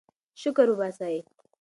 شکر وباسئ.